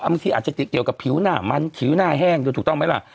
บางทีอาจจะติดเกี่ยวกับผิวหน้ามันผิวหน้าแห้งโดยถูกต้องไหมล่ะ